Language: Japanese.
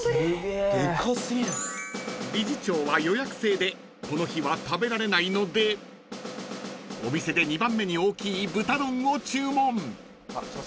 ［理事長は予約制でこの日は食べられないのでお店で２番目に大きい豚丼を注文］